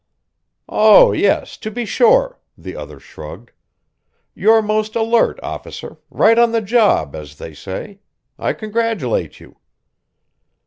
"Oh, yes, to be sure," the other shrugged. "You're most alert, Officer right on the job, as they say. I congratulate you."